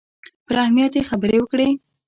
پر اهمیت یې خبرې وکړې.